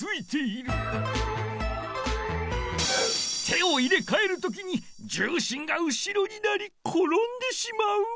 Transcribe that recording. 手を入れかえるときに重心が後ろになりころんでしまう。